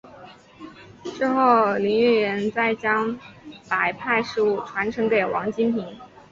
之后林渊源再将白派事务传承给王金平。